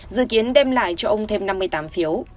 dự kiến đem lại cho ông thêm năm mươi tám phiếu